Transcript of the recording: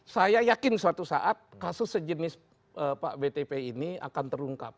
saya yakin suatu saat kasus sejenis pak btp ini akan terungkap